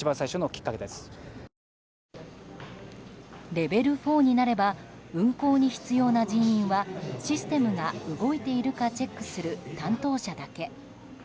レベル４になれば運行に必要な人員はシステムが動ているかチェックする担当者だけ。